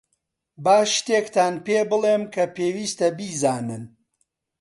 با شتێکتان پێبڵێم کە پێویستە بیزانن.